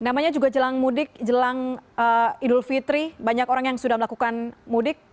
namanya juga jelang mudik jelang idul fitri banyak orang yang sudah melakukan mudik